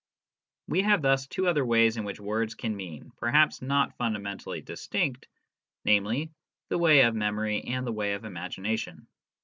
We have thus two other ways in which words can mean (perhaps not fundamentally distinct), namely, the way of memory and the way of imagination.